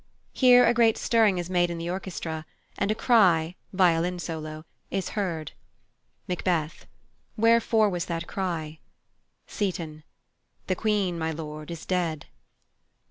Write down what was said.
Here a great stirring is made in the orchestra, and a cry (violin solo) is heard: Macbeth: Wherefore was that cry? Seyton: The Queen, my lord, is dead.